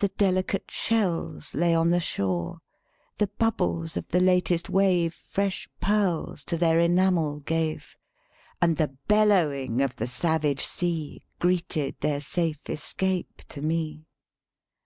The delicate shells lay on the shore; The bubbles of the latest wave Fresh pearls to their enamel gave, And the bellowing of the savage sea Greeted their safe escape to me.